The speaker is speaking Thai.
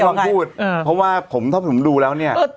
ลองพูดเพราะว่าผมถ้าผมดูแล้วเนี่ย